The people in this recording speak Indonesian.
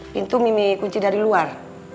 pintu mimi kunci dari luar